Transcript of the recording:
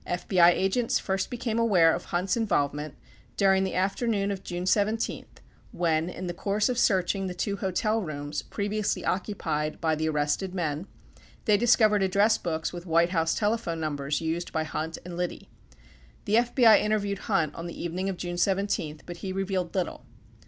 FBI agents first became aware of Hunt's involvement during the afternoon of June 17, when, in the course of searching the two hotel rooms previously occupied by the arrested men, they discovered address books with White House telephone numbers used by Hunt and Liddy. The FBI interviewed Hunt on the evening of June 17, but he revealed little.